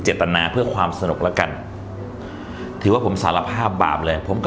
ตนาเพื่อความสนุกแล้วกันถือว่าผมสารภาพบาปเลยผมก็